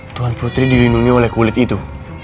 tuhan putri dilindungi oleh kulit itu